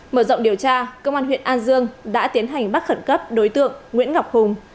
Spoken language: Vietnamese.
mở rộng điều tra công an huyện an dương đã tiến hành bắt khẩn cấp đối tượng nguyễn ngọc hùng